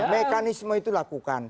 mekanisme itu lakukan